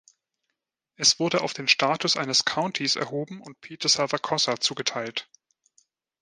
Es wurde auf den Status eines Countys erhoben und Peter Salvacossa zugeteilt.